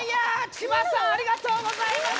千葉さんありがとうございます。